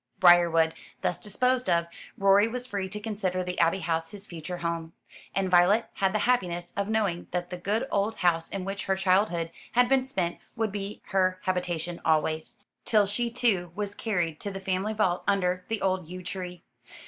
Briarwood thus disposed of, Rorie was free to consider the Abbey House his future home; and Violet had the happiness of knowing that the good old house in which her childhood had been spent would be her habitation always, till she too was carried to the family vault under the old yew tree.